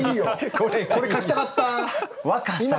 これ書きたかった！